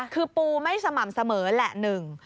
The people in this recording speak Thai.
คือปูไม่สม่ำเสมอแหละหนึ่ง